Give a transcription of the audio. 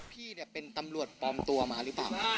พี่เป็นตำรวจปลอมตัวมาหรือเปล่า